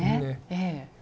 ええ。